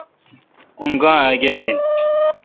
اں گا اگر این۔